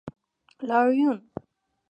لاریون